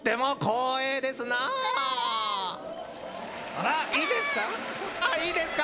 あらっいいですか？